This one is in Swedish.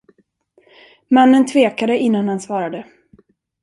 Mannen tvekade, innan han svarade.